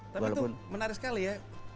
tapi itu menarik sekali ya